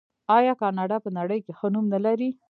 آیا کاناډا په نړۍ کې ښه نوم نلري؟